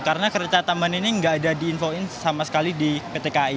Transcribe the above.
karena kereta tambahan ini gak ada diinfoin sama sekali di pt kai